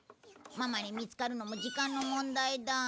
ママに見つかるのも時間の問題だ。